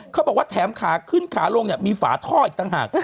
เขาบอกว่าแถมขาขึ้นขาลงเนี่ยมีฝาท่ออีกต่างหาก